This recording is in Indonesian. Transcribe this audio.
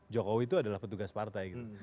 jokowi itu adalah petugas partai gitu